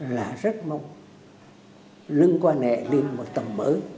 là rất mong nâng quan hệ lên một tầm mới